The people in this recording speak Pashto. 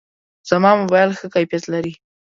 زما موبایل ښه کیفیت لري.